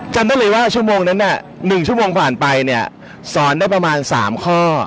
จำได้เลยว่าชั่วโมงนั้น๑ชั่วโมงผ่านไปเนี่ยสอนได้ประมาณ๓ข้อ